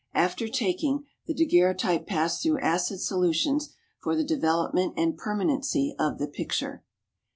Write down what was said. After taking, the daguerreotype passed through acid solutions for the development and permanency of the picture.